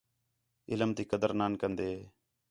علم تی قدر نان کندین